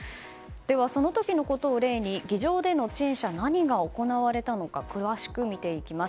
その時のことを例に議場での陳謝、何が行われたのか詳しく見ていきます。